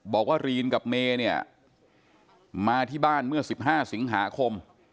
บอกว่ารีนกับเมย์เนี่ยมาที่บ้านเมื่อ๑๕สิงหาคม